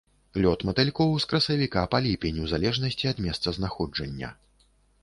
Лёт матылькоў з красавіка па ліпень у залежнасці ад месцазнаходжання.